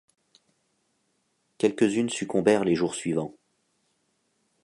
Quelques-unes succombèrent les jours suivants.